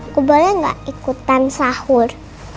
ku boleh gak ikutan sahur